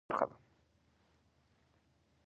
اخلاق د انسان د شخصیت او ټولنیزو اړیکو بنسټیزه برخه ده.